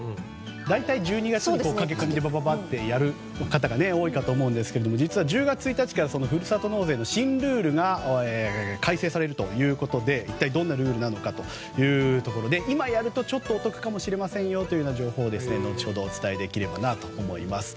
大体１２月にかけてやる方が多いかと思いますが実は１０月１日からふるさと納税の新ルールが改正されるということで一体どんなルールなのかというところで今やると、ちょっとお得かもしれませんよという情報を後ほど、お伝えできればなと思います。